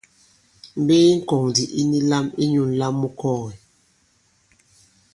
Mbe yi ŋkɔ̀ŋ ndì yi ni lam inyū ǹlam mu kɔɔ̀gɛ̀.